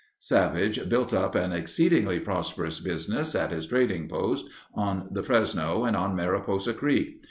Savage built up an exceedingly prosperous business at his trading posts on the Fresno and on Mariposa Creek.